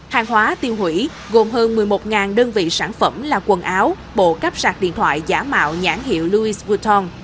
hàng hóa tiêu hủy gồm hơn một mươi một đơn vị sản phẩm là quần áo bộ cáp sạc điện thoại giả mạo nhãn hiệu louis vuitton